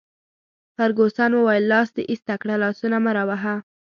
فرګوسن وویل: لاس دي ایسته کړه، لاسونه مه راوهه.